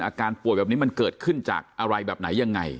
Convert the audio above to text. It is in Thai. อาการป่วยแบบนี้มันเกิดขึ้นจากอะไรแบบไหนยังไง